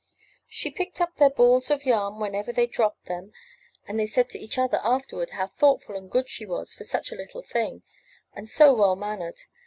She picked up their balls of yarn whenever they 444 UP ONE PAIR OF STAIRS dropped them, and they said to each other afterward how thoughtful and good she was for such a Httle thing, and so well mannered.